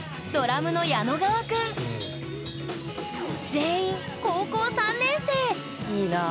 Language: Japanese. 全員高校３年生いいなあ。